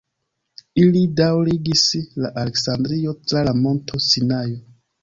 Ili daŭrigis al Aleksandrio tra la Monto Sinajo.